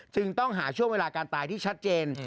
จึงต้องหาช่วงเวลาการตายที่ชัดเจน